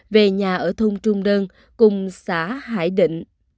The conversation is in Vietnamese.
về nhà ở thôn trung đơn cùng xã hải định